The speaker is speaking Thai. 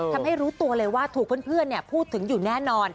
ทำให้รู้ตัวเลยว่าถูกเพื่อนพูดถึงอยู่แน่นอน